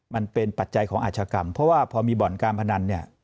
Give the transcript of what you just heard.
ปัจจัยของอาชกรรมเพราะว่าพอมีบ่อนการพนันเนี่ย